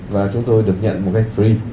và chúng tôi được nhận một cách free